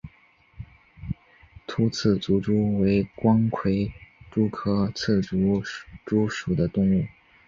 凹刺足蛛为光盔蛛科刺足蛛属的动物。